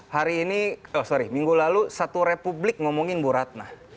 hari ini oh sorry minggu lalu satu republik ngomongin bu ratna